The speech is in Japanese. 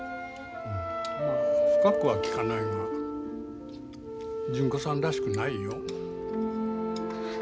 まあ深くは聞かないが純子さんらしくないよ。